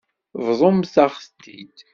Bḍumt-aɣ-t-id.